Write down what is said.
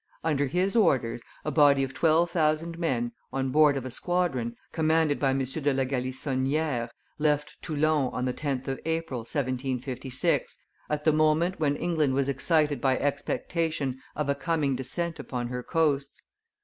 Under his orders, a body of twelve thousand men, on board of a squadron, commanded by M. de la Galissonniere, left Toulon on the 10th of April, 1756, at the moment when England was excited by expectation of a coming descent upon her coasts.